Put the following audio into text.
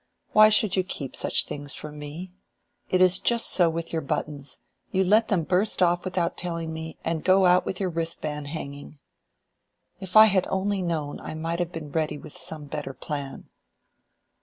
Why should you keep such things from me? It is just so with your buttons: you let them burst off without telling me, and go out with your wristband hanging. If I had only known I might have been ready with some better plan."